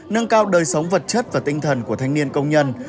nâng cao đời sống vật chất và tinh thần của thanh niên công nhân